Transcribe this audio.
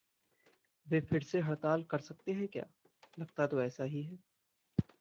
"वे फिरसे हड़ताल कर सकते हैं क्या?" "लगता तो ऐसा ही है।"